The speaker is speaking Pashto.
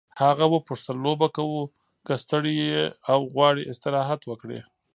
هغه وپوښتل لوبه کوو که ستړی یې او غواړې استراحت وکړې.